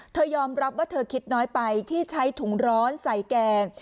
ยอมรับว่าเธอคิดน้อยไปที่ใช้ถุงร้อนใส่แกง